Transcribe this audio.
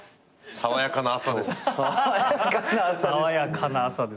爽やかな朝です。